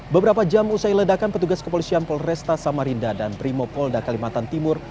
beberapa jam usai ledakan petugas kepolisian polresta samarinda dan brimopolda kalimantan timur